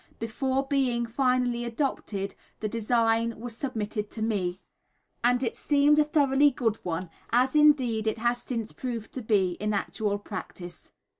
Before being finally adopted, the design was submitted to me; and it seemed a thoroughly good one, as, indeed, it has since proved to be, in actual practice.